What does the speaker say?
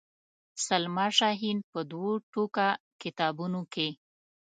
سلما شاهین په دوو ټوکه کتابونو کې.